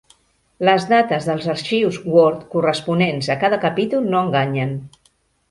Les dates dels arxius Word corresponents a cada capítol no enganyen.